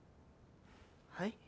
はい？